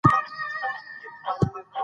زده کړه ښځه د ځان لپاره مالي منابع پیدا کوي.